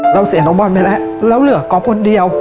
เสียน้องบอลไปแล้วแล้วเหลือก๊อฟคนเดียว